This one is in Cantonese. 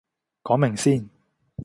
講明先